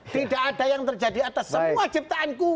tidak ada yang terjadi atas semua ciptaanku